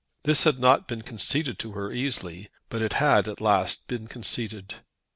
This had not been conceded to her easily, but it had at last been conceded.